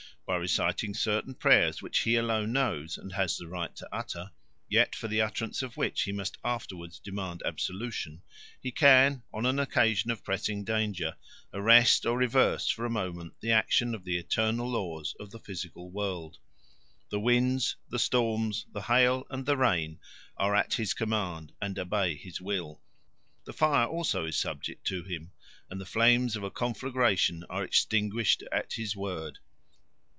By reciting certain prayers which he alone knows and has the right to utter, yet for the utterance of which he must afterwards demand absolution, he can, on an occasion of pressing danger, arrest or reverse for a moment the action of the eternal laws of the physical world. The winds, the storms, the hail, and the rain are at his command and obey his will. The fire also is subject to him, and the flames of a conflagration are extinguished at his word."